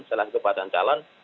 salah satu pasangan calon